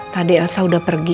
tadi elsa udah pergi